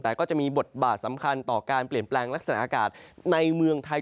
แต่ก็จะมีบทบาทสำคัญต่อการเปลี่ยนแปลงลักษณะอากาศในเมืองไทย